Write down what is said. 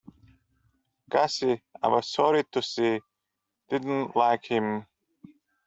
Gussie, I was sorry to see, didn't like him.